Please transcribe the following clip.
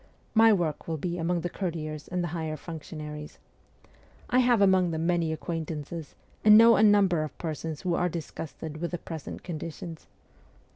My work will be among the courtiers and the higher functionaries. I have among them many acquaintances, and know a number of persons who are disgusted with the present con ditions.